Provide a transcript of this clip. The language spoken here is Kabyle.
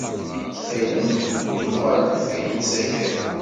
Ttxil-m, ddu ɣer deffir n usakal.